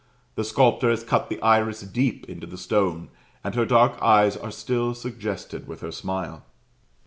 The sculptor has cut the iris deep into the stone, and her dark eyes are still suggested with her smile.